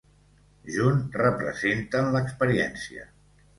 Junt representen l'experiència.